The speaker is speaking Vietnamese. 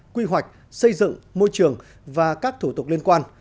quy hoạch xây dựng môi trường và các thủ tục liên quan